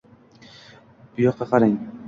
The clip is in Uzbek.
Buyoqqa qarang?